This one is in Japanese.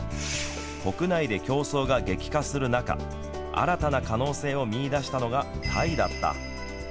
国内で競争が激化する中新たな可能性を見いだしたのがタイだった。